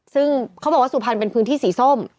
ซึ่งเขาบอกว่าสุพรรณเป็นพื้นที่สีส้ม